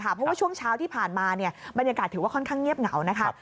เพราะว่าช่วงเช้าที่ผ่านมาบรรยากาศถือว่าค่อนข้างเงียบเหงานะคะ